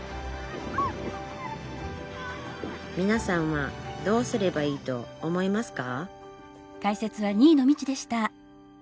みなさんはどうすればいいと思いますか？